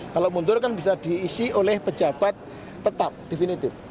kalau mundur kan bisa diisi oleh pejabat tetap definitif